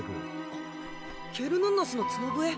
あっ「ケルヌンノスの角笛」？